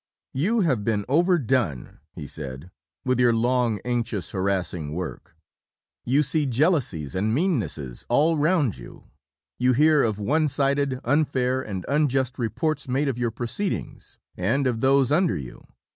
"You have been overdone," he said, "with your long, anxious, harassing work. You see jealousies and meannesses all round you. You hear of one sided, unfair, and unjust reports made of your proceedings and of those under you.